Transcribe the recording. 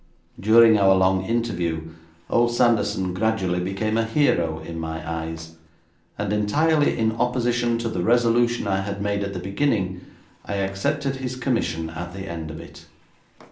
During our long interview old Sanderson gradually became a hero in my eyes, and entirely in opposition to the resolution I had made at the beginning, I accepted his commission at the end of it.